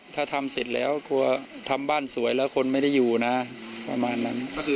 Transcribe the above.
ถ้าทำเสร็จแล้วกลัวทำบ้านสวยแล้วคนไม่ได้อยู่นะประมาณนั้น